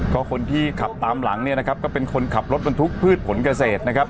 ก็คนที่ขับตามหลังเนี่ยนะครับก็เป็นคนขับรถบรรทุกพืชผลเกษตรนะครับ